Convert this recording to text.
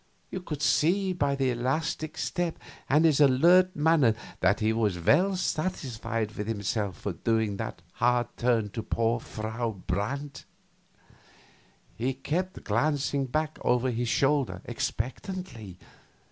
You could see by his elastic step and his alert manner that he was well satisfied with himself for doing that hard turn for poor Frau Brandt. He kept glancing back over his shoulder expectantly.